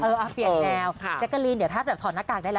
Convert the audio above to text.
เออเปลี่ยนแนวแกกะลินถ้าถอดหน้ากากได้แล้ว